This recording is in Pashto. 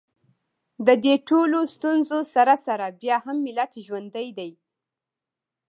د دې ټولو ستونزو سره سره بیا هم ملت ژوندی دی